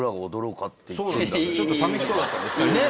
ちょっとさみしそうだったんで２人。